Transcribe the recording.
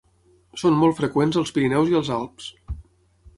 Són molt freqüents als Pirineus i als Alps.